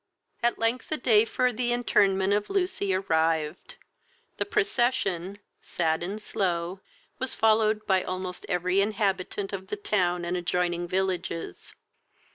At length the day for the interment of Lucy arrived. The procession, sad and slow, was followed by almost every inhabitant of the town and adjoining villages.